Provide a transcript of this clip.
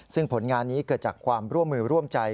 ซึ่งผลงานนี้เกิดจากความร่วมมือร่วมใจ